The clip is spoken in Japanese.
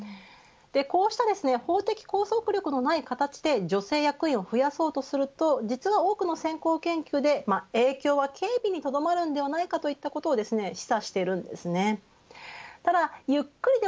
こうした法的拘束力のない形で女性役員を増やそうとすると実は多くの先行研究で影響は軽微にとどまるんではないかといったことを示唆しているんですね。